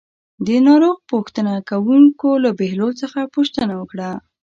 د ناروغ پوښتنه کوونکو له بهلول څخه پوښتنه وکړه.